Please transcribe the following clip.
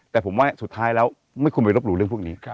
แต่ผมว่าสุดท้ายแล้วไม่ควรไปรบหลู่เรื่องพวกนี้